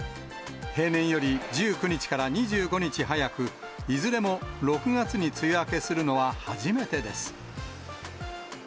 平年より１９日から２５日早く、いずれも６月に梅雨明けするのは初めてです。